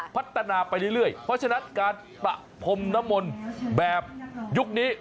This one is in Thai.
พัฒนาไปเรื่อยเพราะฉะนั้นการประพรมน้ำมนต์แบบยุคนี้